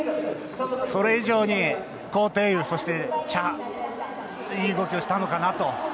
それ以上に高亭宇とそして、チャがいい動きをしたのかなと。